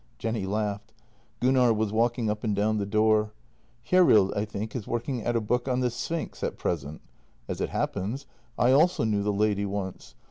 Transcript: Jenny laughed. Gunnar was walking up and down the door. " Hjerrild, I think, is working at a book on the ' Sphinx ' at present. As it happens, I also knew the lady once.